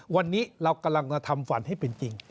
วันนี้เรากำลังมาทำฝันให้เป็นจริง